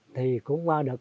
thì cũng được